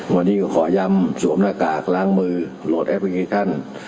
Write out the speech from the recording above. วันนี้ก็ขอย้ำสวมหน้ากากล้างมือโหลดแอปพลิเคชัน